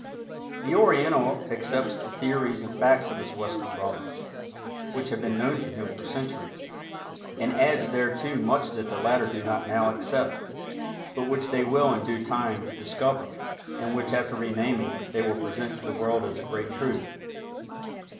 The Oriental accepts the theories and facts of his Western brothers (which have been known to him for centuries) and adds thereto much that the latter do not now accept, but which they will in due time "discover" and which, after renaming, they will present to the world as a great truth.